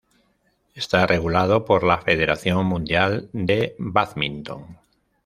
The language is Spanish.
Está regulado por la Federación Mundial de Bádminton.